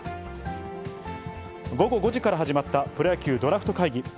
午後５時から始まったプロ野球・ドラフト会議。